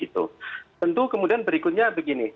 tentu kemudian berikutnya begini